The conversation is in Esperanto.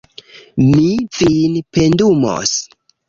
Mi vin pendumos